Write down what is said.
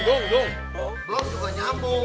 belum juga nyambung